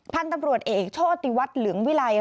พันธ์ตำรวจเอกโชธติวัตรเหลืองวิไล